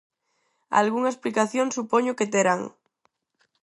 Algunha explicación supoño que terán.